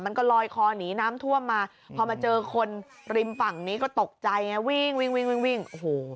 มันก็ลอยคอหนีน้ำท่วมมาพอมาเจอคนริมฝั่งนี้ก็ตกใจไงวิ่งวิ่งวิ่งวิ่งโอ้โห